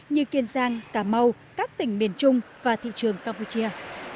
như kiên giang cà mau các tỉnh miền trung và thị trường campuchia